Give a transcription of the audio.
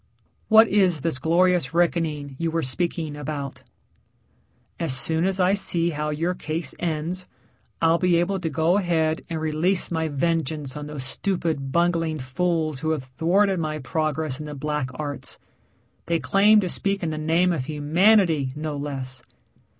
"What is this glorious reckoning you were speaking about?" "As soon as I see how your case ends, I'll be able to go ahead and release my vengeance on those stupid, bungling fools who have thwarted my progress in the black arts. They claim to speak in the name of humanity, no less!"